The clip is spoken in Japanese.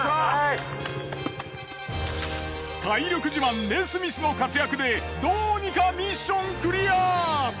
体力自慢ネスミスの活躍でどうにかミッションクリア。